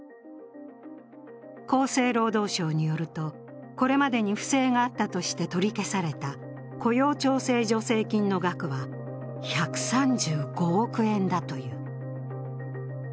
厚生労働省によると、これまでに不正があったとして取り消された雇用調整助成金の額は１３５億円だという。